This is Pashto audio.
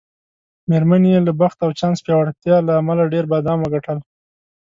میرمنې یې له بخت او چانس پیاوړتیا له امله ډېر بادام وګټل.